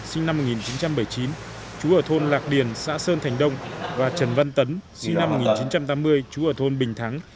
sinh năm một nghìn chín trăm bảy mươi chín chú ở thôn lạc điền xã sơn thành đông và trần văn tấn sinh năm một nghìn chín trăm tám mươi chú ở thôn bình thắng